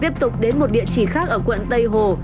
tiếp tục đến một địa chỉ khác ở quận tây hồ